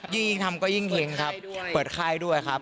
ยิ่งทำก็ยิ่งเห็งครับเปิดค่ายด้วยครับ